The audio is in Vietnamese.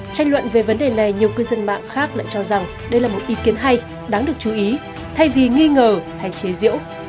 tranh luận về vấn đề này nhiều cư dân mạng khác lại cho rằng đây là một ý kiến hay đáng được chú ý thay vì nghi ngờ hay chế diễu